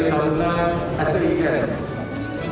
dari tarunan spik